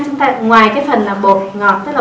ngoài cái phần là bột ngọt tức là